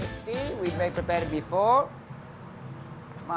kita buat seperti ini sebelumnya